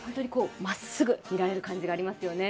まっすぐ見られる感じがありますよね。